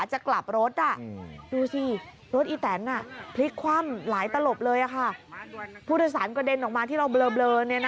จะกลับรถดูสิรถอีแตนพลิกคว่ำหลายตลบเลยผู้โดยสารกระเด็นออกมาที่เราเบลอ